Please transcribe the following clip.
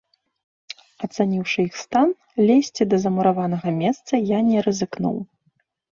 Ацаніўшы іх стан, лезці да замураванага месца я не рызыкнуў.